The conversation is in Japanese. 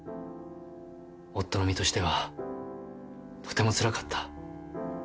夫の身としてはとてもつらかった。